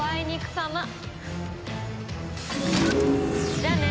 じゃあね。